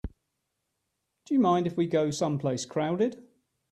Do you mind if we go someplace crowded?